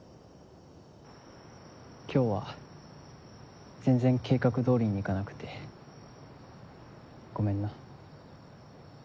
今日は全然計画通りにいかなくてごめんな。